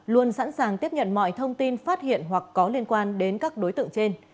luôn sẵn sàng tiếp nhận mọi thông tin phát hiện hoặc có liên quan đến các đối tượng trên